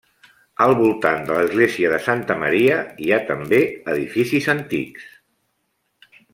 Al voltant de l'església de santa Maria hi ha també edificis antics.